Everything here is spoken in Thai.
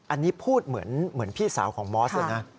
อันนี้พูดเหมือนพี่สาวของมอสเลยนะ